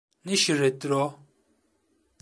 Ne şirrettir o…